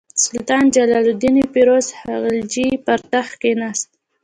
سلطان جلال الدین فیروز خلجي پر تخت کښېناست.